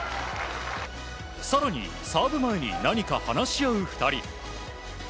更に、サーブ前に何か話し合う２人。